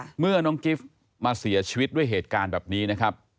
เมื่อน้องกิฟต์มาเสียชีวิตด้วยเหตุการณ์แบบนี้นะครับ